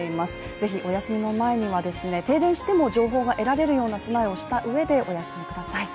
是非お休みの前には停電しても情報が得られるような備えをしたうえでお休みください。